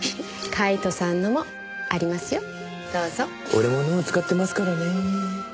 俺も脳使ってますからね。